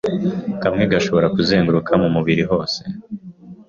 kamwe gashobora kuzenguruka mu mubiri hose